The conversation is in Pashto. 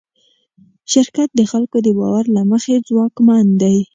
شرکت د خلکو د باور له مخې ځواکمن دی.